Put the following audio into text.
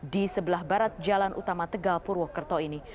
di sebelah barat jalan utama tegal purwokerto ini